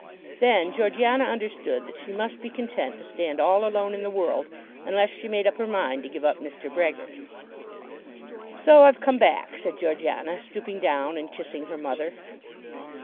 Then Georgiana understood that she must be content to stand all alone in the world, unless she made up her mind to give up Mr. Brehgert. "So I've come back," said Georgiana, stooping down and kissing her mother.